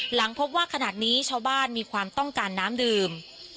หลังพบว่าขนาดนี้ชาวบ้านมีความต้องการน้ำดื่ม